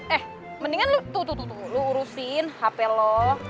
eh mendingan lo tuh tuh tuh lo urusin hp lo